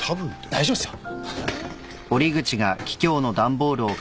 大丈夫ですよ。